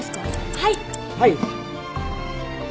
はい。